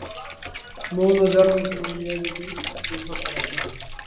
মন ও জড়বস্তু বলিয়া দুইটি পৃথক পদার্থ নাই।